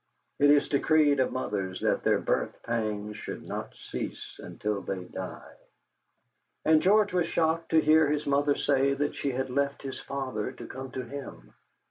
It is decreed of mothers that their birth pangs shall not cease until they die. And George was shocked to hear his mother say that she had left his father to come to him.